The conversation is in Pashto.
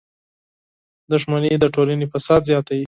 • دښمني د ټولنې فساد زیاتوي.